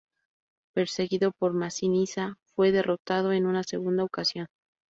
Perseguido por Masinisa, fue derrotado en una segunda ocasión.